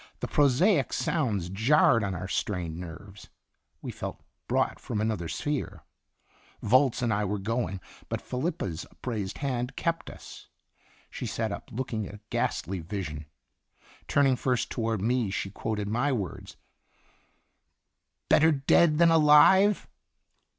The prosaic sounds jarred on our strained nerves. We felt brought from another sphere. Volz and I were going, but Felipa's upraised hand kept us. She sat up, looking a ghastly vision. Turning first toward me she quoted my words :" 'Better dead than alive